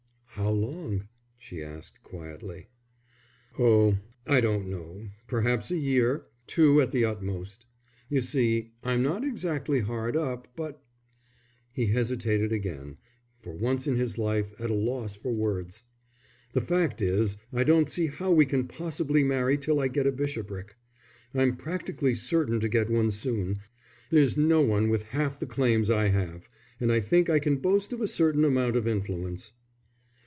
"How long?" she asked quietly. "Oh, I don't know perhaps a year, two at the utmost. You see, I'm not exactly hard up, but " He hesitated again, for once in his life at a loss for words. "The fact is I don't see how we can possibly marry till I get a bishopric. I'm practically certain to get one soon there's no one with half the claims I have, and I think I can boast of a certain amount of influence."